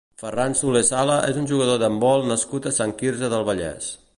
Ferran Solé Sala és un jugador d'handbol nascut a Sant Quirze del Vallès.